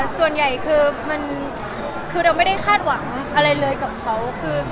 ส่วนใหญ่คือมันคือเราไม่ได้คาดหวังอะไรเลยกับเขาคือ